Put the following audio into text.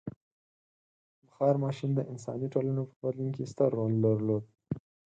• بخار ماشین د انساني ټولنو په بدلون کې ستر رول درلود.